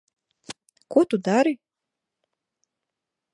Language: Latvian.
Ko tu dari?